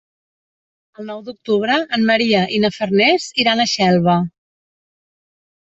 El nou d'octubre en Maria i na Farners iran a Xelva.